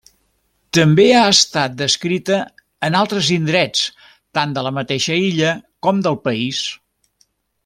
També ha estat descrita en altres indrets tant de la mateixa illa com del país.